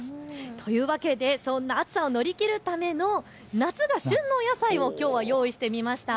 というわけでそんな暑さを乗り切るための夏が旬のお野菜をきょうは用意してみました。